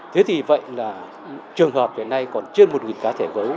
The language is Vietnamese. thế thì vậy là trường hợp hiện nay còn trên một cá thể gấu